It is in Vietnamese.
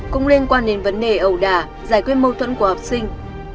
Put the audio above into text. cũng liên quan đến vấn đề ẩu đà giải quyết mâu thuẫn của học sinh